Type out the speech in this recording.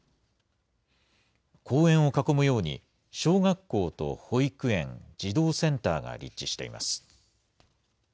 公園を囲むように小学校と保育園、児童センターが立地しています。